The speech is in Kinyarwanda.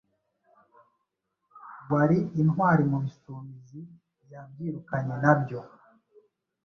wari intwari mu Bisumizi. Yabyirukanye nabyo,